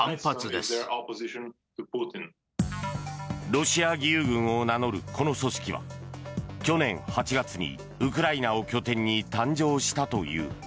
ロシア義勇軍を名乗るこの組織は去年８月にウクライナを拠点に誕生したという。